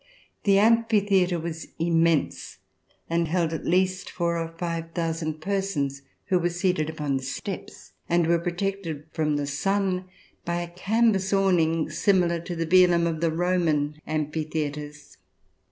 The amphitheatre was immense and held at least four or five thousand persons who were seated upon the steps and were protected from the sun by a canvas awning similar to the velum of the Roman amphi theatres.